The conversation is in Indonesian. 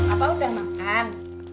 abang udah makan